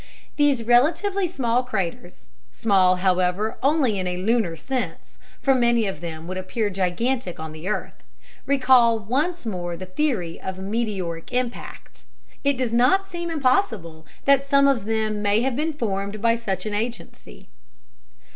These relatively small craters (small, however, only in a lunar sense, for many of them would appear gigantic on the earth) recall once more the theory of meteoric impact. It does not seem impossible that some of them may have been formed by such an agency.